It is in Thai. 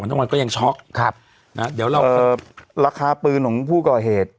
ทั้งวันก็ยังช็อกครับนะเดี๋ยวเราราคาปืนของผู้ก่อเหตุ